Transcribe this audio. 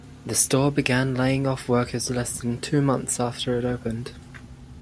The store began laying off workers less than two months after it opened.